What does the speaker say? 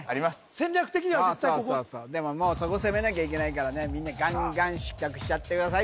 戦略的に絶対ここでももうそこ攻めなきゃいけないからねみんなガンガン失格しちゃってください